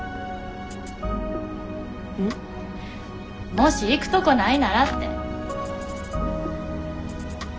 もし行くとこないならって。